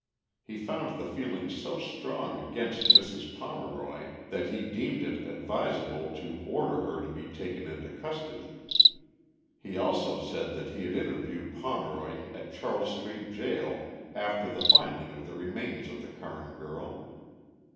He found the feeling so strong against Mrs. Pomeroy that he deemed it advisable to order her to be taken into custody. He also said that he had interviewed Pomeroy at Charles Street jail after the finding of the remains of the Curran girl.